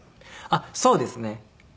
あっそうですね。